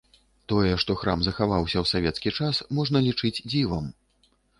Тое, што храм захаваўся ў савецкі час, можна лічыць дзівам.